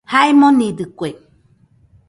Jae monidɨkue